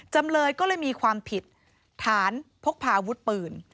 จำเลยก็เลยมีความผิดฐานพกพาอาวุธปืน